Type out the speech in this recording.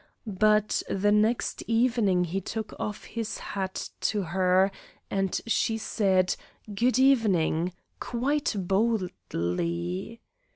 But the next evening he took off his hat to her, and she said "Good evening," quite boldly.